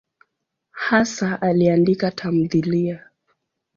Hasa aliandika tamthiliya.